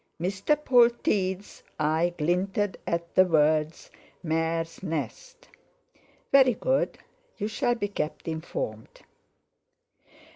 Mr. Polteed's eye glinted at the words "mare's nest!" "Very good. You shall be kept informed."